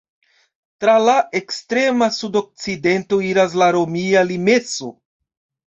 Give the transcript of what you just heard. Tra la ekstrema sudokcidento iras la romia limeso.